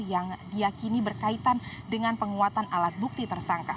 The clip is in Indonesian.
yang diakini berkaitan dengan penguatan alat bukti tersangka